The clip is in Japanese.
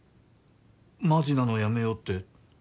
マジなのやめようって。